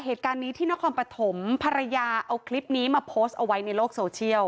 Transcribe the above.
เหตุการณ์นี้ที่นครปฐมภรรยาเอาคลิปนี้มาโพสต์เอาไว้ในโลกโซเชียล